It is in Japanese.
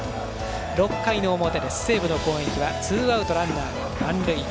６回の表、西武の攻撃はツーアウト、ランナーが満塁。